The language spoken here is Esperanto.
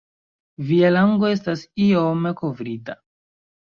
Via lango estas iom kovrita.